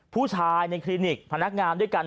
ผู้ชายในคลินิกพนักงานด้วยกัน